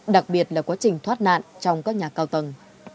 đặc biệt là quá trình thoát nạn trong các nhà cao tầng